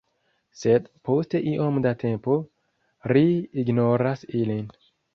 Sed post iom da tempo, ri ignoras ilin.